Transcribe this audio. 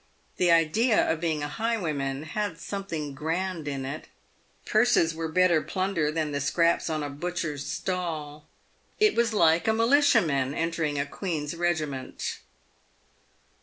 The idea of being a highwayman had something grand in it. Purses were better plunder than the scraps on a butcher's stall. It was like a militiaman entering a Queen's regiment.